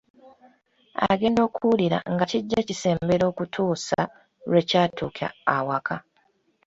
Agenda okuwulira nga kijja kisembera okutuusa, lwe kyatuuka awaka.